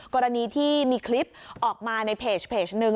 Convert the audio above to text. กรณีที่มีคลิปออกมาในเพจหนึ่ง